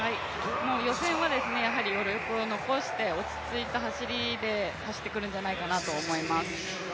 予選は余力を残して落ち着いた走りで走ってくるんじゃないかと思います。